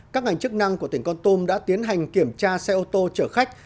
các ngành chức năng của tỉnh con tum đã tiến hành kiểm tra xe ô tô chở khách